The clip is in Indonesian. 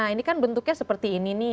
ini kan bentuknya seperti ini nih